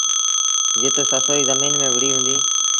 جت سسئيٚ زميݩ ميݩ وُهڙيٚ هُݩديٚ۔